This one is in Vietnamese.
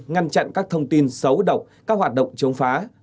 ngăn chặn các thông tin xấu độc các hoạt động chống phá